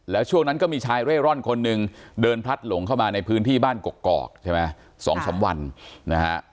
แล้วช่วงนั้นก็มีชายเร่ร่อนคนหนึ่งเดินพลัดหลงเข้ามาในพื้นที่บ้านกกอกใช่ไหม๒๓วันนะฮะ